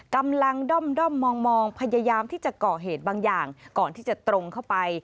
กำลังด้อมมองพยายามที่จะก่อเหตุบางอย่างก่อนที่จะตรงเข้าไป